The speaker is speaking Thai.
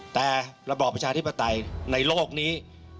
แต่ระบอบประชาธิปไตยในโลกนี้